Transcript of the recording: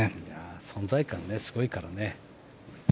存在感すごいからね。